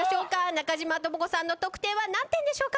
中島知子さんの得点は何点でしょうか？